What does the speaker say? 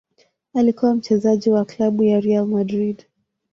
Alikuwa mchezaji wa klabu ya Real Madrid.